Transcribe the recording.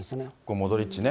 モドリッチね。